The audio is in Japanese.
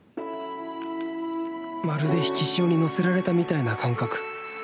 まるで引き潮に乗せられたみたいな感覚。